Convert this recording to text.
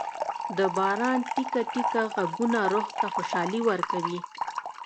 د باران ټېکه ټېکه ږغونه روح ته خوشالي ورکوي.